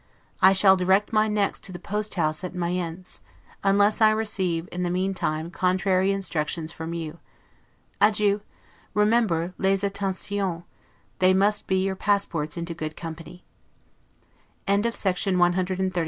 I shall direct my next to the post house at Mayence, unless I receive, in the meantime, contrary instructions from you. Adieu. Remember les attentions: they must be your passports into good company. LETTER CLXIX LONDON, June, O. S. 1752.